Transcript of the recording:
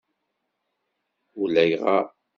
Ulayɣer.